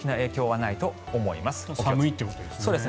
寒いということですね。